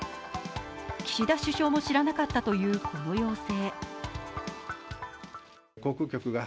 岸田首相も知らなかったというこの要請。